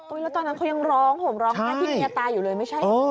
อุ๊ยแล้วตอนนั้นเขายังร้องผมร้องแค่พี่มียะตายอยู่เลยไม่ใช่